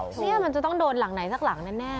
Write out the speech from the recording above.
เนี่ยกินมันจะต้องโดรดหลังไหนสักหลังแน่เลยอะ